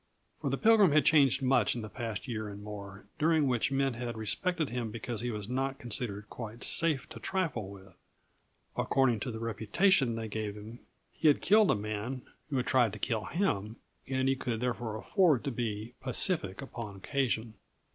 For the Pilgrim had changed much in the past year and more during which men had respected him because he was not considered quite safe to trifle with. According to the reputation they gave him, he had killed a man who had tried to kill him, and he could therefore afford to be pacific upon occasion.